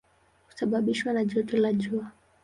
Husababishwa na joto la jua.